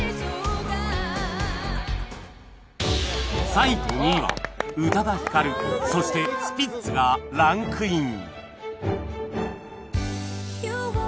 ３位と２位は宇多田ヒカルそしてスピッツがランクイン